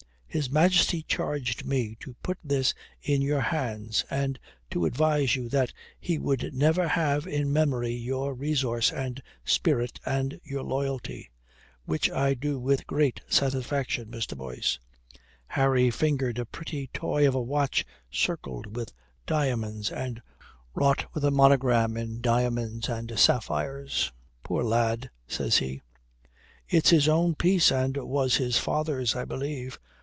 His Majesty charged me to put this in your hands and to advise you that he would ever have in memory your resource and spirit and your loyalty. Which I do with a great satisfaction, Mr. Boyce." Harry fingered a pretty toy of a watch circled with diamonds, and wrought with a monogram in diamonds and sapphires. "Poor lad," says he. "It's his own piece and was his father's, I believe.